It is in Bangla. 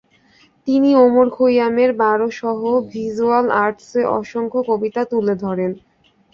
তিনি ওমর খৈয়ামের বারো সহ ভিজ্যুয়াল আর্টসে অসংখ্য কবিতা তুলে ধরেন।